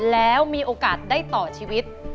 แล้วมีโอกาสได้ต่อชีวิต